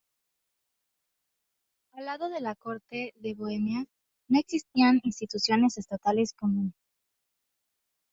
Al lado de la corte de Bohemia no existían instituciones estatales comunes.